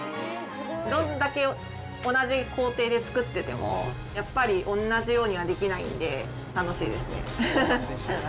どんだけ同じ工程で作ってても、やっぱり同じようにはできないんで、楽しいですね。